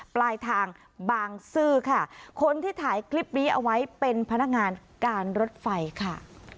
ปลายทางบางซื่อค่ะคนที่ถ่ายคลิปนี้เอาไว้เป็นพนักงานการรถไฟค่ะ